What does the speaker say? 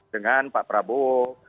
dengan pak prabowo